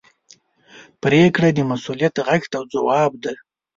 پرېکړه د مسؤلیت غږ ته ځواب ده.